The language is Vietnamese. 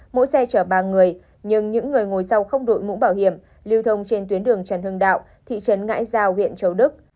mỗi xe chở ba người nhưng những người ngồi sau không đội mũ bảo hiểm liều thông trên tuyến đường trần hưng đạo thị trấn ngãi giao huyện châu đức